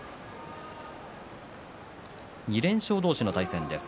２連勝同士の対戦です。